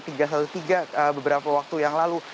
tiga satu tiga beberapa waktu yang lalu